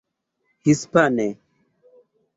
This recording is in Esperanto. hispane